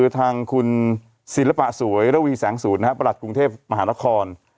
ทางคุณศิลปะสวยระวีแสงศูนย์ประหลัดกรุงเทพมหานคร